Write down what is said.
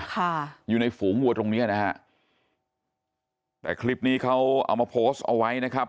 ค่ะอยู่ในฝูงวัวตรงเนี้ยนะฮะแต่คลิปนี้เขาเอามาโพสต์เอาไว้นะครับ